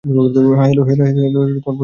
Hello, Prashanta বাড়ি আছেন?